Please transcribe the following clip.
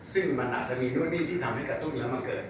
ซึ่งมันอาจจะมีลูกหนี้ที่ทำให้กระตุ้นแล้วมันเกิด